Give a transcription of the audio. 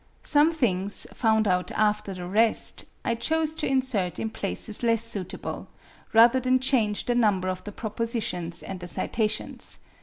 Some things, found out after the rest, I chose to insert in places less suitable, rather than change the number of the propositions and the citations.